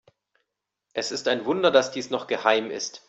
Es ist ein Wunder, dass dies noch geheim ist.